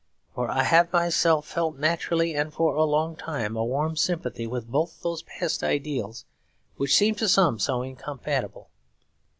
For I have myself felt, naturally and for a long time, a warm sympathy with both those past ideals, which seem to some so incompatible.